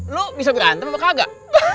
lu bisa berantem apa kagak